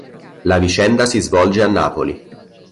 La vicenda si svolge a Napoli.